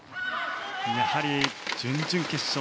やはり準々決勝。